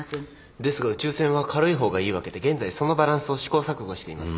ですが宇宙船は軽い方がいいわけで現在そのバランスを試行錯誤しています。